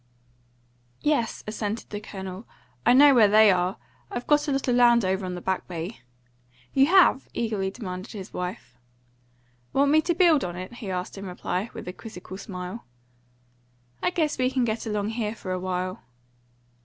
"Yes," assented the Colonel. "I know where they are. I've got a lot of land over on the Back Bay." "You have?" eagerly demanded his wife. "Want me to build on it?" he asked in reply, with a quizzical smile. "I guess we can get along here for a while."